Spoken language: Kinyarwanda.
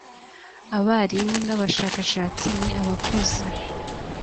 abarimu n abashakashatsi ni abakozi